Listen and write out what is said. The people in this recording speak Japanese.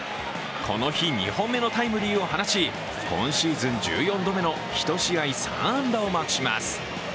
この日、２本目のタイムリーを放ち今シーズン１４度目の１試合３安打をマークします。